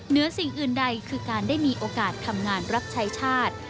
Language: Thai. เหนือสิ่งอื่นใดคือการได้มีโอกาสทำงานรับใช้ชาติ